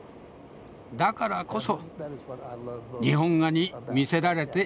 だからこそ日本画に魅せられているのです。